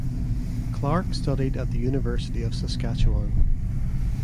Clarke studied at the University of Saskatchewan.